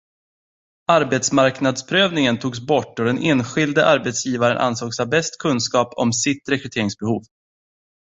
Arbetsmarknadsprövningen togs bort och den enskilde arbetsgivaren ansågs ha bäst kunskap om sitt rekryteringsbehov.